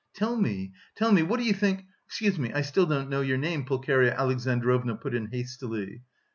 "Tell me, tell me! What do you think...? Excuse me, I still don't know your name!" Pulcheria Alexandrovna put in hastily.